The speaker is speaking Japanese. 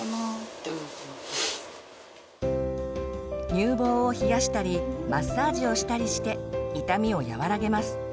乳房を冷やしたりマッサージをしたりして痛みを和らげます。